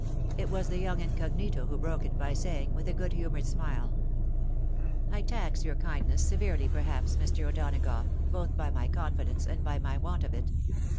It was the young incognito who broke it, by saying, with a good humoured smile, " I tax your kiiidness severely perhaps, Mr. O'Donagough, both by my confidence, and by my yrant of it.